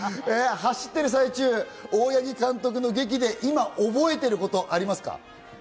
走っている最中、大八木監督の檄で今覚えていることありますか？